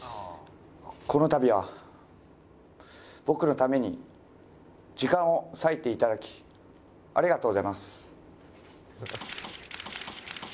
このたびは僕のために時間を割いていただきありがとうございます。